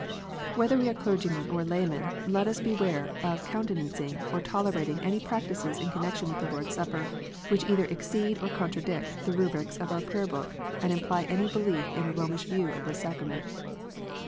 Whether we are clergymen or laymen, let us beware of countenancing or tolerating any practices in connection with the Lord s Supper which either exceed or contradict the rubrics of our Prayer book, and imply any belief in a Romish view of this sacrament.